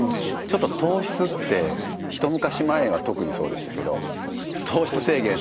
ちょっと糖質ってひと昔前は特にそうでしたけど糖質制限糖質制限。